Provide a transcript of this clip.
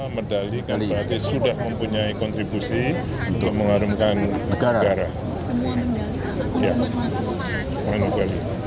medali kan berarti sudah mempunyai kontribusi untuk mengharumkan negara